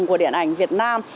của điện ảnh việt nam